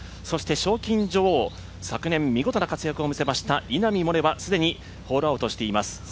そして賞金女王、昨年、見事な活躍を見せました、稲見萌寧は既にホールアウトしています。